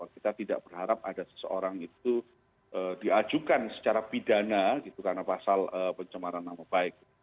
kita tidak berharap ada seseorang itu diajukan secara pidana gitu karena pasal pencemaran nama baik